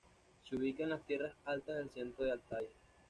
Se ubica en las tierras altas del centro de Altái.